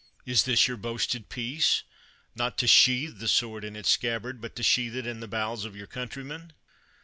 Is this your boasted peace — not to sheathe the sword in its scabbard, but to sheathe it in the bowels of your countrymen?